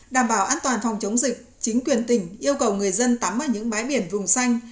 đảm bảo an toàn phòng chống dịch chính quyền tỉnh yêu cầu người dân tắm ở những bãi biển vùng xanh